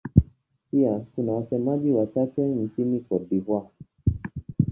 Pia kuna wasemaji wachache nchini Cote d'Ivoire.